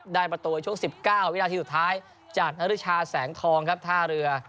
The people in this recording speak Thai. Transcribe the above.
ประตูช่วง๑๙วินาทีสุดท้ายจากนริชาแสงทองครับท่าเรือ